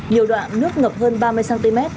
nhiều đoạn nước ngập hơn ba mươi cm